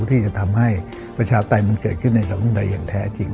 ที่จะทำให้ประชาไตยมันเกิดขึ้นในสังคมไทยอย่างแท้จริง